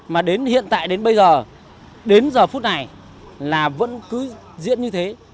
mà đến hiện tại đến bây giờ đến giờ phút này là vẫn cứ diễn như thế